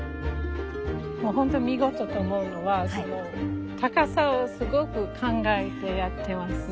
もう本当見事と思うのは高さをすごく考えてやってますね。